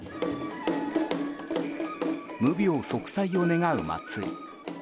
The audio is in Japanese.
無病息災を願う祭り。